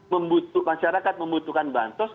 masyarakat membutuhkan bansos